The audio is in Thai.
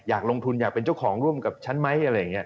อยากลงทุนอยากเป็นเจ้าของร่วมกับฉันไหมอะไรอย่างนี้